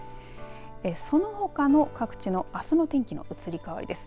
そのほかの各地のあすの天気の移り変わりです。